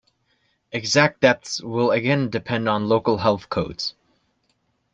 Exact depths will again depend on local health codes.